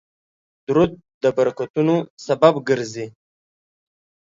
درود د برکتونو سبب ګرځي